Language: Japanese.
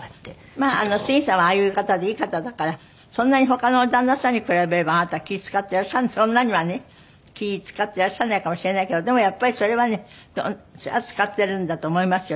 まあ杉さんはああいう方でいい方だからそんなに他の旦那さんに比べればあなた気ぃ使ってらっしゃらないそんなにはね気ぃ使ってらっしゃらないかもしれないけどでもやっぱりそれはねそれは使ってるんだと思いますよ